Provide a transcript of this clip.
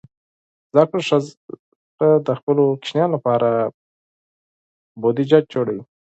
زده کړه ښځه د خپلو ماشومانو لپاره بودیجه جوړوي.